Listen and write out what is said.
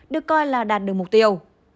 được coi là đạt được mục tiêu